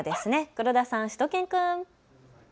黒田さん、しゅと犬くん。